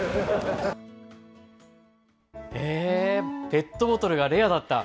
ペットボトルがレアだった。